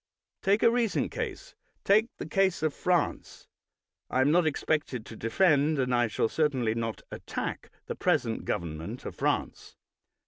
Take a recent case; take the case of France. I am not expected to defend, and I shall certainly not attack, the present government of France.